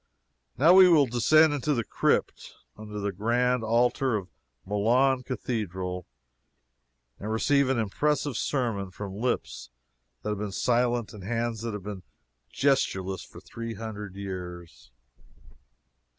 Now we will descend into the crypt, under the grand altar of Milan Cathedral, and receive an impressive sermon from lips that have been silent and hands that have been gestureless for three hundred years.